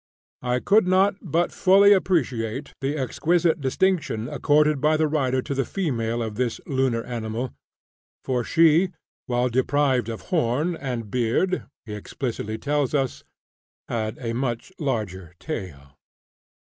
I could not but fully appreciate the exquisite distinction accorded by the writer to the female of this lunar animal for she, while deprived of horn and beard, he explicitly tells us, "had a much larger tail!"